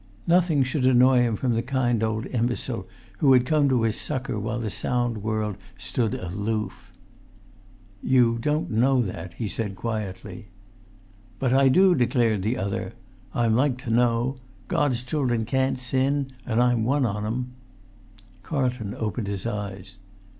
Nothing should annoy him from the kind old imbecile who had come to his succour while the sound world stood aloof. "You don't know that," he said quietly. "But I do," declared the other. "I'm like to know. God's children can't sin, and I'm one on 'em." Carlton opened his eyes.